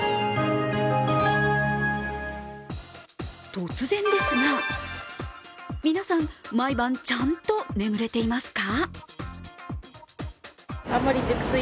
突然ですが皆さん、毎晩ちゃんと眠れていますか？